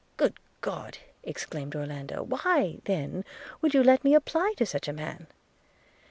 'Good God!' exclaimed Orlando; 'and why, then, would you let me apply to such a man?'